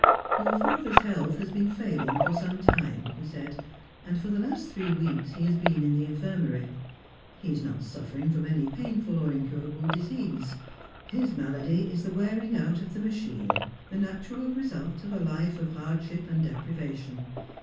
'Your father's health has been failing for some time,' he said 'and for the last three weeks he has been in the infirmary. He is not suffering from any painful or incurable disease. His malady is the wearing out of the machine, the natural result of a life of hardship and deprivation.